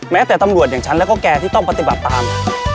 แต่ตำรวจอย่างฉันแล้วก็แกที่ต้องปฏิบัติตาม